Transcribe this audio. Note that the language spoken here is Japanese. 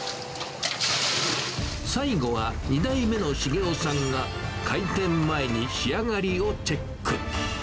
最後は、２代目の茂夫さんが開店前に仕上がりをチェック。